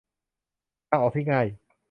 ทางออกที่ง่าย